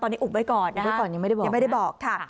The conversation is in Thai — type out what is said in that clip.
ตอนนี้อุบไว้ก่อนอุบไว้ก่อนยังไม่ได้บอก